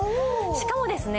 しかもですね